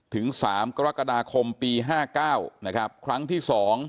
ถึง๓กกป๕๙ครั้งที่๒